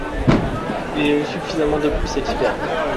Il y a eu suffisamment de pluie cet hiver.